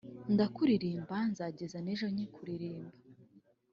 Ndakuririmba nzageza nejo nkikuririmba